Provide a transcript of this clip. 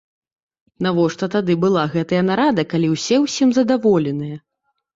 Навошта тады была гэтая нарада, калі ўсе ўсім задаволеныя?